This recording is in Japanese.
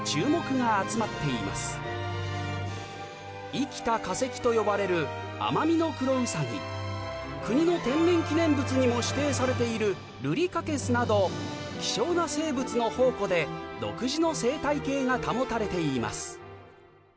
生きた化石と呼ばれる国の天然記念物にも指定されているなど希少な生物の宝庫で独自の生態系が保たれています